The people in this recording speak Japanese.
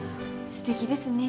すてきですね。